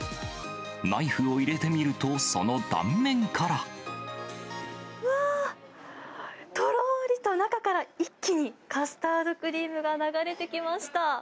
ナイフを入れてみると、その断面うわー、とろーりと中から一気にカスタードクリームが流れてきました。